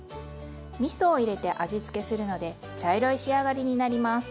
みそを入れて味付けするので茶色い仕上がりになります。